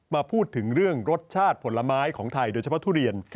มาพูดถึงเรื่องรสชาติผลไม้ของไทยโดยเฉพาะทุเรียน